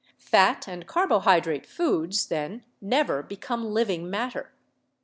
Fat and carbohydrate foods, then, never become living matter.